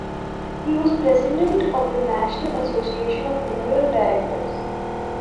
He was president of the National Association of Funeral Directors.